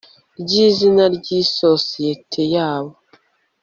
ry izina ry isosiyete yabo